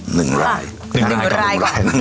หนึ่งรายก่อน